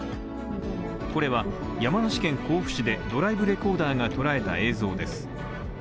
これは山梨県甲府市でドライブレコーダーが捉えた映像です。